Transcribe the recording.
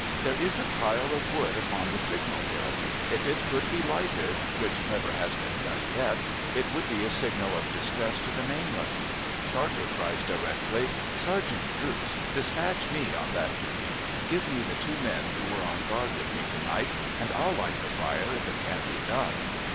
' There is a pile of wood upon the Signal Hill. If it could be lighted — which never has been done yet — it would be a signal of distress to the mainland.' Charker cries, directly :' Sergeant Drooce, dispatch me on that duty. Give me the two men who were on guard with me to night, and I'll light the fire, if it can be done.'